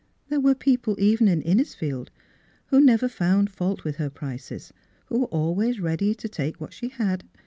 There were people even in Innisfield who never found fault with her prices, who were always ready to take what she had.